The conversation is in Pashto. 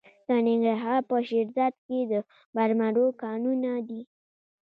د ننګرهار په شیرزاد کې د مرمرو کانونه دي.